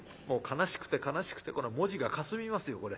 もう悲しくて悲しくて文字がかすみますよ